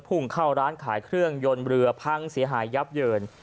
พุ่งเข้าร้านขายเครื่องยนต์เรือพังเสียหายยับเยิน